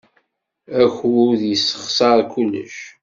Akud yessexṣar kullec.